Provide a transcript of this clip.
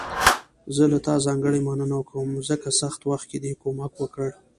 زه له تا ځانګړي مننه کوم، ځکه سخت وخت کې دې کومک وکړ.